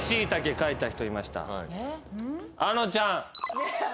あのちゃん。